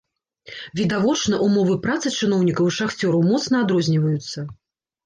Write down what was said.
Відавочна, умовы працы чыноўнікаў і шахцёраў моцна адрозніваюцца.